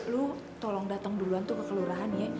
lu tolong datang duluan tuh ke kelurahan ya